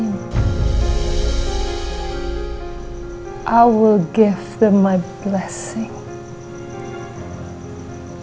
aku akan memberi mereka rahmatku